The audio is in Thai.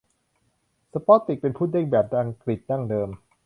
สปอตดิกเป็นพุดดิ้งแบบอังกฤษดั้งเดิม